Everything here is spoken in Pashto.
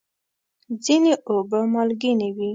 ځینې اوبه مالګینې وي.